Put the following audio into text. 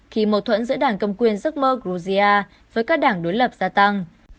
khi mâu thuẫn giữa đảng cầm quyền giấc mơ georgia với các đảng đối lập gia tăng